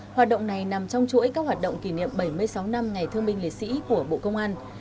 hoạt động này nằm trong chuỗi các hoạt động kỷ niệm bảy mươi sáu năm ngày thương binh liệt sĩ của bộ công an